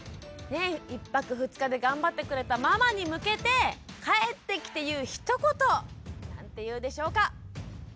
１泊２日で頑張ってくれたママに向けて帰ってきて言うひと言何て言うでしょうか？